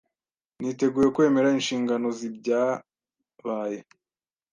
Niteguye kwemera inshingano zibyabaye.